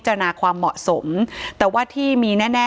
ถ้าใครอยากรู้ว่าลุงพลมีโปรแกรมทำอะไรที่ไหนยังไง